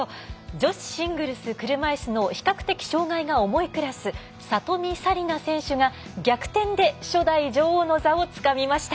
女子シングルス車いすの比較的障がいが重いクラス里見紗李奈選手が逆転で初代女王の座をつかみました。